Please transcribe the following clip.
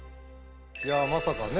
いやまさかね